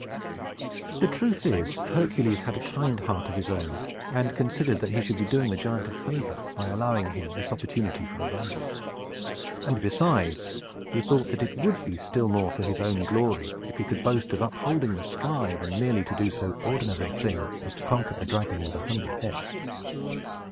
The truth is, Hercules had a kind heart of his own, and considered that he should be doing the giant a favor, by allowing him this opportunity for a ramble. And, besides, he thought that it would be still more for his own glory, if he could boast of upholding the sky, than merely to do so ordinary a thing as to conquer a dragon with a hundred heads.